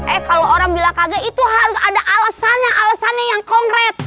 eh kalau orang bilang kage itu harus ada alasannya alasannya yang konkret